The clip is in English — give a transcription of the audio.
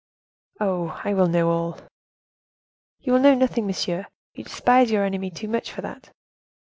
"Oh! I will know all." "You will know nothing, monsieur; you despise your enemy too much for that."